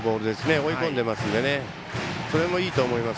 追い込んでますのでそれもいいと思います。